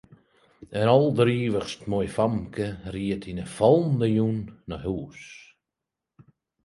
In alderivichst moai famke ried yn 'e fallende jûn nei hús.